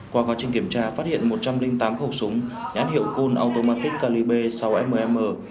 qua quá trình kiểm tra phát hiện một trăm linh tám khẩu súng nhán hiệu cun automatic calibre sáu mm